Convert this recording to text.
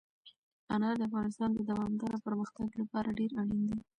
انار د افغانستان د دوامداره پرمختګ لپاره ډېر اړین دي.